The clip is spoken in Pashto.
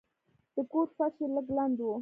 د کور فرش یې لږ لند و.